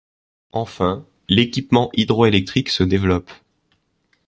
Enfin, l'équipement hydroélectrique se développe.